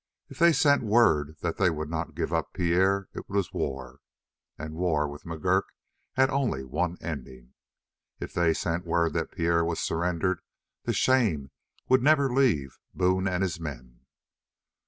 If they sent word that they would not give up Pierre it was war, and war with McGurk had only one ending. If they sent word that Pierre was surrendered the shame would never leave Boone and his men.